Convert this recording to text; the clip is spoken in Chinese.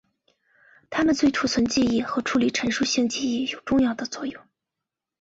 它们对储存记忆和处理陈述性记忆有重要的作用。